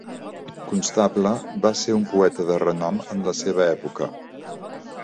Constable va ser un poeta de renom en la seva època.